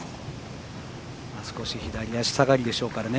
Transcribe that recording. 少し左足下がりでしょうからね